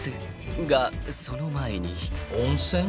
［がその前に］温泉？